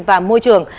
và môi trường